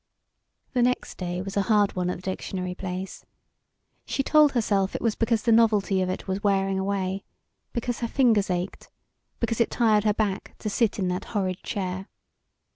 The next day was a hard one at the dictionary place. She told herself it was because the novelty of it was wearing away, because her fingers ached, because it tired her back to sit in that horrid chair.